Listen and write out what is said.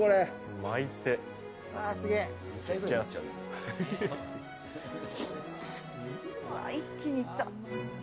うわー、一気にいった。